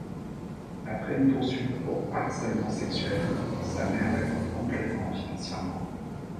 Après une poursuite pour harcèlement sexuel, sa mère la coupe complètement financièrement.